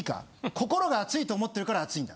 心が暑いと思ってるから暑いんだ。